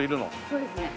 そうですね。